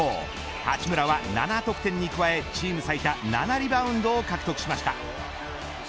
八村は７得点に加えチーム最多７リバウンドを獲得しました。